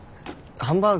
ハンバーグ？